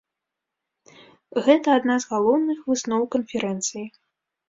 Гэта адна з галоўных высноў канферэнцыі.